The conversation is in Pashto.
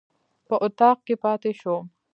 په اطاق کې پاتې شوم.